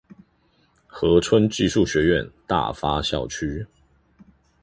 和春技術學院大發校區